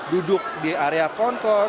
duduk di area kongkors